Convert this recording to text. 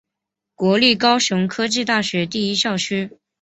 国立高雄科技大学第一校区。